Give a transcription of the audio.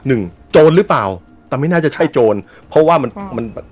โจรหรือเปล่าแต่ไม่น่าจะใช่โจรเพราะว่ามันมัน